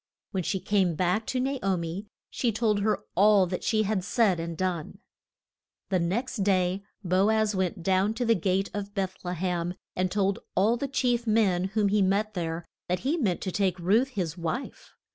When she came back to Na o mi she told her all that she had said and done. The next day Bo az went down to the gate of Beth le hem, and told all the chief men whom he met there that he meant to make Ruth his wife.